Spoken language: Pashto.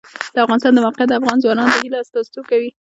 د افغانستان د موقعیت د افغان ځوانانو د هیلو استازیتوب کوي.